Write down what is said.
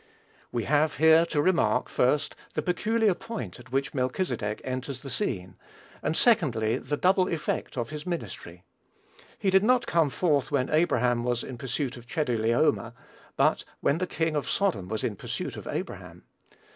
We have here to remark, first, the peculiar point at which Melchizedek enters the scene; and, secondly, the double effect of his ministry. He did not come forth when Abraham was in pursuit of Chedorlaomer, but when the king of Sodom was in pursuit of Abraham.